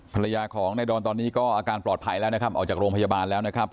ภรรยาของนายดอนตอนนี้ก็อาการปลอดภัยแล้วนะครับออกจากโรงพยาบาลแล้วนะครับ